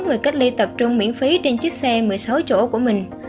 người cách ly tập trung miễn phí trên chiếc xe một mươi sáu chỗ của mình